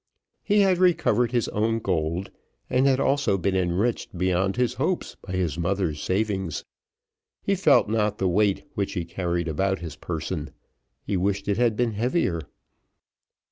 He had recovered his own gold, and had also been enriched beyond his hopes by his mother's savings. He felt not the weight which he carried about his person, he wished it had been heavier.